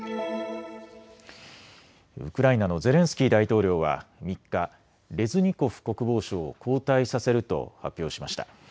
ウクライナのゼレンスキー大統領は３日、レズニコフ国防相を交代させると発表しました。